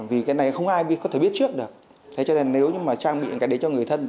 vì cái này không ai có thể biết trước được thế cho nên nếu như mà trang bị những cái đấy cho người thân